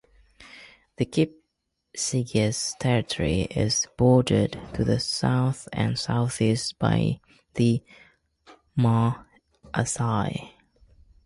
The Kipsigis territory is bordered to the south and southeast by the Maasai.